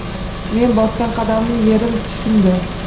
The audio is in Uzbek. Men bosgan qadamni yerim tushundi